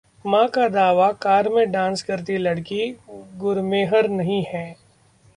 मां का दावा, कार में डांस करती लड़की गुरमेहर नहीं है